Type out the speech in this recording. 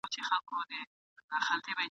پر سپینو لېچو چي منګی تر ګودر تللی نه دی ..